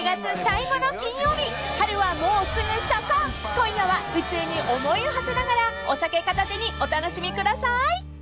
［今夜は宇宙に思いをはせながらお酒片手にお楽しみください］